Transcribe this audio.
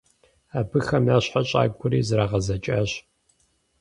Абыхэм я щхьэр щӀагуэри зрагъэзэкӀащ.